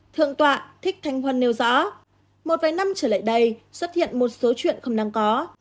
thượng tọa thích thanh huân nêu rõ một vài năm trở lại đây xuất hiện một số chuyện không đáng có